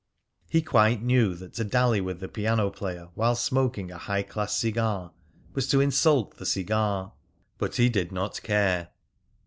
He quite knew that to dally with the piano player while smoking a high class cigar was to insult the cigar; but he did not care.